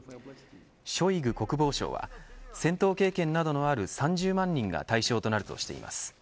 ショイグ国防相は戦闘経験などのある３０万人が対象となるとしています。